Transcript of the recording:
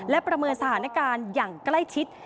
และประเมินสถานการณ์อย่างใกล้ชิด